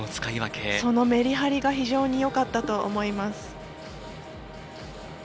そのメリハリが非常によかったと思います。